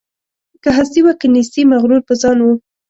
که هستي وه که نیستي مغرور په ځان وو